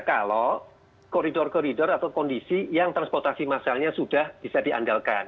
kalau koridor koridor atau kondisi yang transportasi masalnya sudah bisa diandalkan